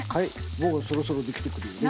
もうそろそろできてくるよね。